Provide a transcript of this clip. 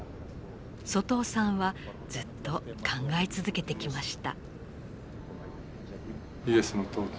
外尾さんはずっと考え続けてきました。